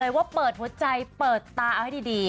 ว่าเปิดหัวใจเปิดตาเอาให้ดี